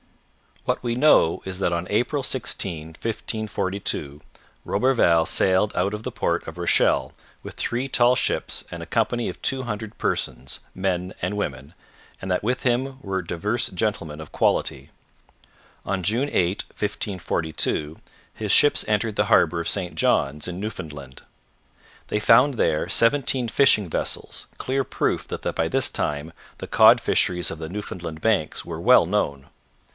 What we know is that on April 16, 1542, Roberval sailed out of the port of Rochelle with three tall ships and a company of two hundred persons, men and women, and that with him were divers gentlemen of quality. On June 8, 1542, his ships entered the harbour of St John's in Newfoundland. They found there seventeen fishing vessels, clear proof that by this time the cod fisheries of the Newfoundland Banks were well known.